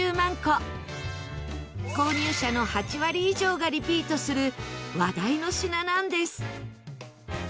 購入者の８割以上がリピートする話題の品なんです。